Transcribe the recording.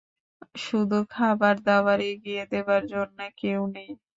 শুধু খাবারদাবার এগিয়ে দেবার জন্যে কেউ নেই।